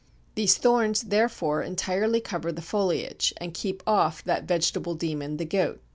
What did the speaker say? These thorns, therefore, entirely cover the foliage and keep off that vegetable demon the goat.